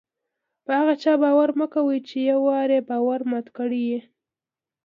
په هغه چا باور مه کوئ! چي یو وار ئې باور مات کړى يي.